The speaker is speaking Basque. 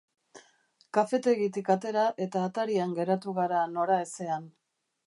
Kafetegitik atera eta atarian geratu gara nora ezean.